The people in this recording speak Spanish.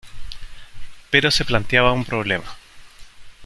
Pero se planteaba un problema.